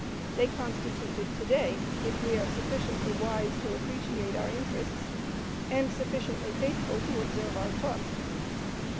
They constitute it to day, if we are sufficiently wise to appreciate our interests, and sufficiently faithful to observe our trust.